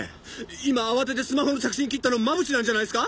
今慌ててスマホの着信切ったの真渕なんじゃないですか！？